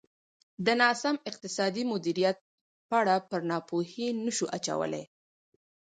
د ناسم اقتصادي مدیریت پړه پر ناپوهۍ نه شو اچولای.